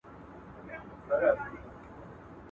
نه محتاج د تاج او ګنج نه د سریر یم!